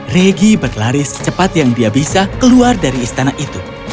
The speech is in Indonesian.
regi berlari secepat yang dia bisa keluar dari istana itu